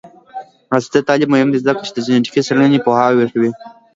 عصري تعلیم مهم دی ځکه چې د جینیټک څیړنې پوهاوی ورکوي.